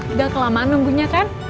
udah kelamaan nunggunya kan